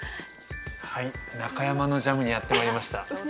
はい中山のジャムにやって参りました